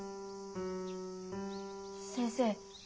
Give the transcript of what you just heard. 先生